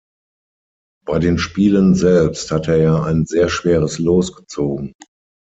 Bei den Spielen selbst hatte er ein sehr schweres Los gezogen.